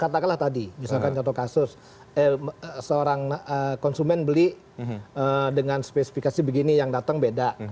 katakanlah tadi misalkan contoh kasus seorang konsumen beli dengan spesifikasi begini yang datang beda